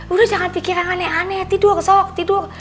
udah jangan pikiran aneh aneh tidur sok tidur